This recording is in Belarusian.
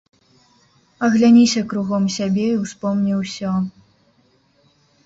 Агляніся кругом сябе і ўспомні ўсё.